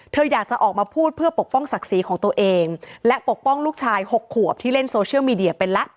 เธออยากจะออกมาพูดเพื่อปกป้องศักดิ์ศรีของตัวเองและปกป้องลูกชาย๖ขวบที่เล่นโซเชียลมีเดียเป็นละ